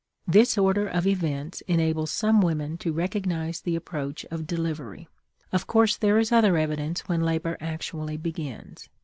This order of events enables some women to recognize the approach of delivery. Of course there is other evidence when labor actually begins.